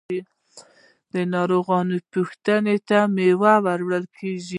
ناروغه پوښتنې ته میوه وړل کیږي.